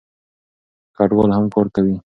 کډوال هم کار کوي.